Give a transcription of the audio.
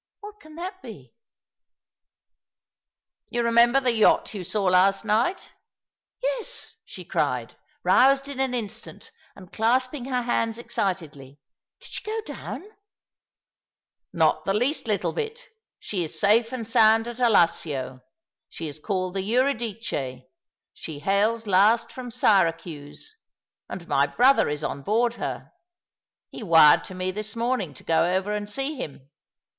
" What can that be ?"" You remember the yacht you saw last night ?"" Yes," she cried, roused in an instant, and clasping her hands excitedly. " Did she go down ?" i "Not the least little bit. She is safe and sound at Allassio. She is called the Eurydice^ she hails last from Syracuse, and my brother is on board her. He wired to me this morning to go over and see him.